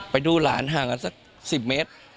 ไปดูหลานห่างสักสิบเมตร